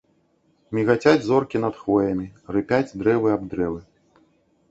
Мігацяць зоркі над хвоямі, рыпяць дрэвы аб дрэвы.